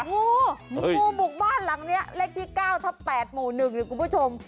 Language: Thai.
งูงูบุกบ้านหลังเนี้ยเลขที่เก้าท้าแปดหมู่หนึ่งเนี่ยคุณผู้ชม